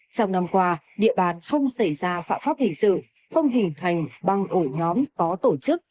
trong năm qua địa bàn không xảy ra phạm pháp hình sự không hình thành băng ổ nhóm có tổ chức